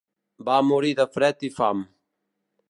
Va morir de fred i fam.